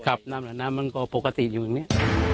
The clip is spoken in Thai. ครับน้ำน้ำมันก็โปรแกรตุอีกอย่างเนี่ย